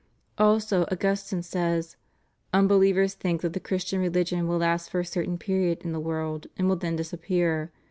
^ Also Augustine says: "Unbelievers think that the Christian religion will last for a certain period in the world and will then disappear.